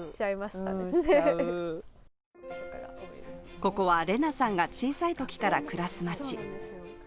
ここはレナさんが小さいときから暮らす街。